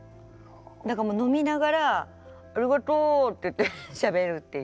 だから飲みながら「ありがとう」ってしゃべるっていう。